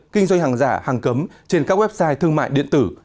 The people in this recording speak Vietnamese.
kinh doanh hàng giả hàng cấm trên các website thương mại điện tử